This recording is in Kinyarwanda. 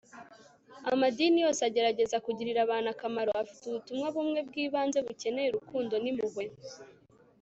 amadini yose agerageza kugirira abantu akamaro, afite ubutumwa bumwe bw'ibanze bukeneye urukundo n'impuhwe